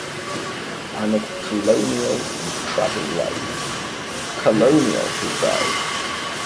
“I’m a colonial and travel light.” “A colonial,” he cried.